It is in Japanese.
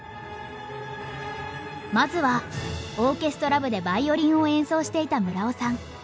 まずはオーケストラ部でヴァイオリンを演奏していた村尾さん。